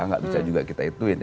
nggak bisa juga kita ituin